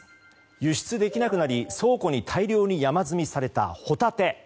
輸出できなくなり、倉庫に大量に山積みされたホタテ。